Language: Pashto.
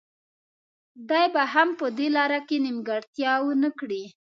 دی به هم په دې لاره کې نیمګړتیا ونه کړي.